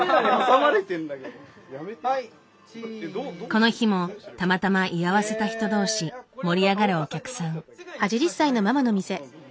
この日もたまたま居合わせた人同士盛り上がるお客さん。